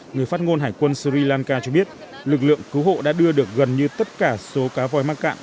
người phát ngôn hải quân sri lanka cho biết lực lượng cứu hộ đã đưa được gần như tất cả số cá voi mắc cạn